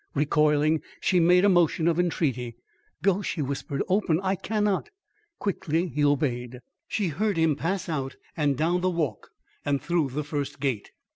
Recoiling, she made a motion of entreaty. "Go," she whispered. "Open! I cannot." Quickly he obeyed. She heard him pass out and down the walk, and through the first gate.